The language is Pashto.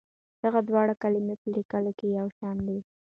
دغه دواړه کلمې په لیکلو کې یو شان دي.